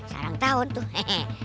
sekarang tahun tuh hehehe